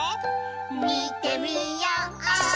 みてみよう！